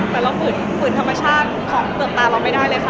แต่เราฝืนฝืนธรรมชาติของเติบตาเราไม่ได้เลยค่ะ